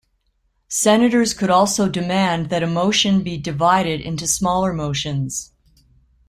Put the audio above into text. Senators could also demand that a motion be divided into smaller motions.